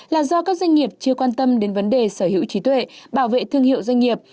là do các doanh nghiệp chưa quan tâm đến vấn đề sở hữu trí tuệ bảo vệ thương hiệu doanh nghiệp